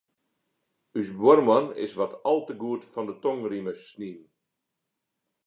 Us buorman is wat al te goed fan 'e tongrieme snien.